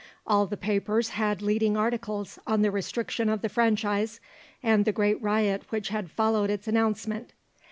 All the papers had leading articles on the restriction of the franchise and the great riot which had followed its announcement.